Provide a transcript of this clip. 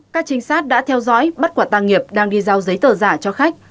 các trinh sát đã theo dõi bắt quả tàng nghiệp đang đi giao giấy tờ giả cho khách